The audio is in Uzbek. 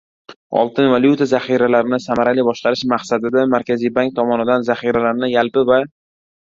Oltin-valyuta zaxiralarini samarali boshqarish maqsadida Markaziy bank tomonidan zaxiralarning yalpi va